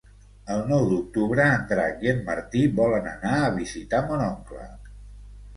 El nou d'octubre en Drac i en Martí volen anar a visitar mon oncle.